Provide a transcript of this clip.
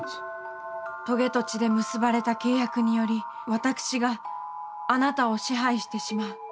棘と血で結ばれた契約により私があなたを支配してしまう。